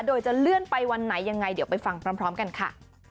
โดยจะเลื่อนไปวันไหนยังไงเดี๋ยวไปฟังพร้อมกันค่ะ